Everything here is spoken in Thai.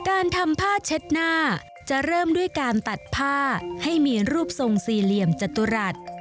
การทำผ้าเช็ดหน้าจะเริ่มด้วยการตัดผ้าให้มีรูปทรงสี่เหลี่ยมจตุรัส